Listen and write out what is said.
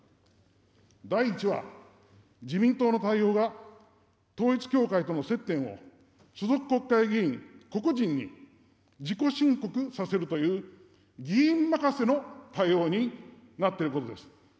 第１は、自民党の対応が統一教会との接点を所属国会議員個々人に自己申告させるという、議員任せの対応になっていることです。